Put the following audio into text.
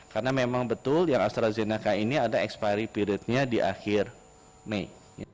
karena memang betul yang astrazeneca ini ada expiry periodnya di akhir mei